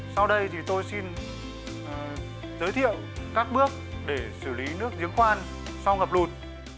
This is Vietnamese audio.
sau đây thì tôi xin giới thiệu các bước để xử lý nước giếng khoan sau ngập lụt